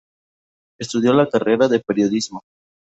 Estudió la carrera de periodismo.